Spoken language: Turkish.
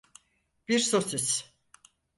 Bir sosis.